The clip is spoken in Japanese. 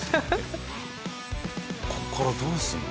ここからどうするの？